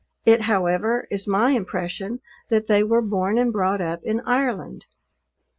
It, however, is my impression, that they were born and brought up in Ireland.